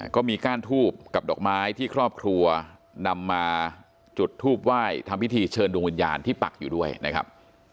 ก้านทูบกับดอกไม้ที่ครอบครัวนำมาจุดทูบไหว้ทำพิธีเชิญดวงวิญญาณที่ปักอยู่ด้วยนะครับ